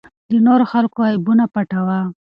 د نورو خلکو عیبونه پټوه.